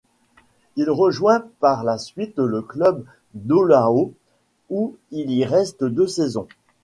Il rejoint par la suite le club d'Olhão où il y reste deux saisons.